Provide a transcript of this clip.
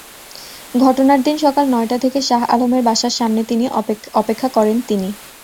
ঘটনার দিন সকাল নয়টা থেকে শাহ আলমের বাসার সামনে অপেক্ষা করেন তিনি।